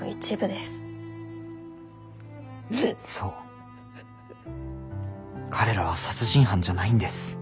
そう彼らは殺人犯じゃないんです。